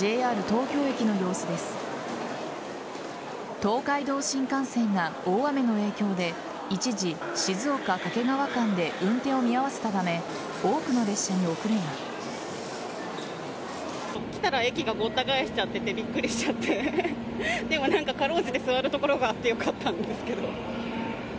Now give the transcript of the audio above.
東海道新幹線が大雨の影響で一時、静岡掛川間で運転を見合わせたため多くの列車に遅れが。